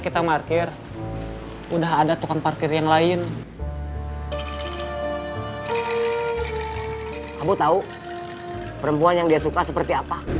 kamu tahu perempuan yang dia suka seperti apa